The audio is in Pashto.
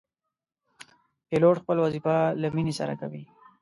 پیلوټ خپل وظیفه له مینې سره کوي.